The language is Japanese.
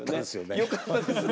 よかったですよね。